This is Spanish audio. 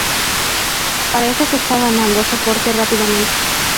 Parece que está ganando soporte rápidamente".